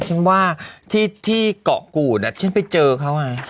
ฉันว่าที่เกาะกูดฉันไปเจอเขาไง